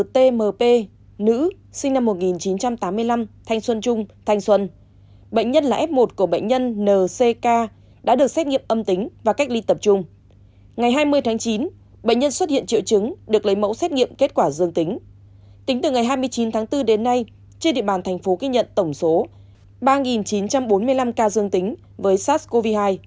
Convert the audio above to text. từ ngày hai mươi chín tháng bốn đến nay trên địa bàn thành phố ghi nhận tổng số ba chín trăm bốn mươi năm ca dương tính với sars cov hai